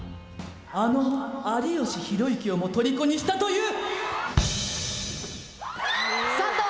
あの有吉弘行をもとりこにしたという。